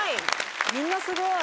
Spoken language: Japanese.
みんなすごい。